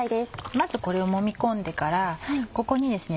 まずこれをもみ込んでからここにですね